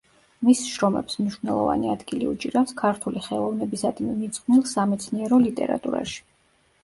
მის შრომებს მნიშვნელოვანი ადგილი უჭირავს ქართული ხელოვნებისადმი მიძღვნილ სამეცნიერო ლიტერატურაში.